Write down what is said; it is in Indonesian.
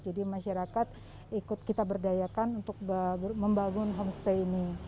jadi masyarakat ikut kita berdayakan untuk membangun homestay ini